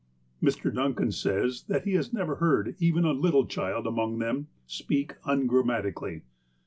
Mr. Duncan says that he has never heard even a little child among them speak ungrammatically.